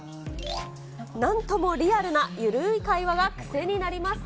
なんともリアルな緩い会話が癖になります。